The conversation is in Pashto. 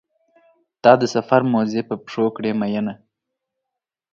تا د سفر موزې په پښو کړې مینه.